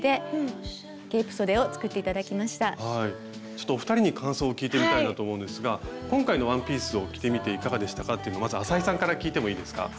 ちょっとお二人に感想を聞いてみたいなと思うんですが今回のワンピースを着てみていかがでしたかっていうのまず浅井さんから聞いてもいいですか？